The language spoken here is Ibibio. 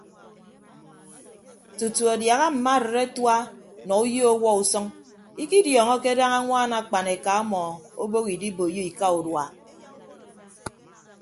Tutu adiaha mma arịd atua nọ uyo ọwuọ usʌñ ikidiọọñọke daña añwaan akpan eka ọmọ obooho idiboiyo ika urua.